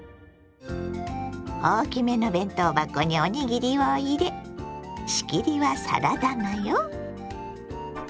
大きめの弁当箱におにぎりを入れ仕切りはサラダ菜よ。